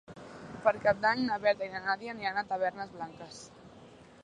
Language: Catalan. Per Cap d'Any na Berta i na Nàdia aniran a Tavernes Blanques.